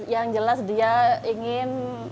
yang jelas dia ingin